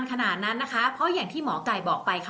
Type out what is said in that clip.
ส่งผลทำให้ดวงชะตาของชาวราศีมีนดีแบบสุดเลยนะคะ